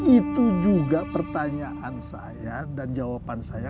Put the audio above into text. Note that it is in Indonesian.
itu juga pertanyaan saya dan jawaban saya